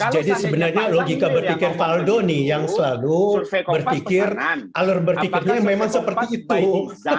jadi sebenarnya logika berpikir faldo nih yang selalu berpikir alur berpikirnya memang seperti itu